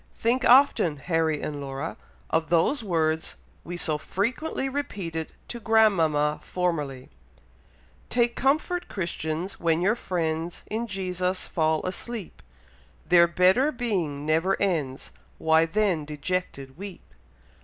Think often, Harry and Laura, of those words we so frequently repeated to grandmama formerly: 'Take comfort, Christians, when your friends In Jesus fall asleep, Their better being never ends, Why then dejected weep?